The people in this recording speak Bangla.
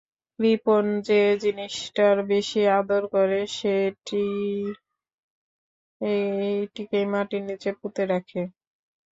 কৃপণ যে জিনিসটার বেশি আদর করে সেইটেকেই মাটির নীচে পুঁতে রাখে।